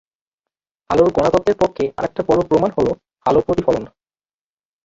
আলোর কণাতত্ত্বের পক্ষে আরেকটা বড় প্রমাণ হলো আলো প্রতিফলন।